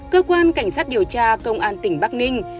cơ quan cảnh sát điều tra công an tỉnh bắc ninh